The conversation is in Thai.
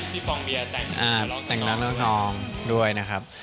พี่ฟองเบียร์แต่งน้องน้องด้วยนะครับ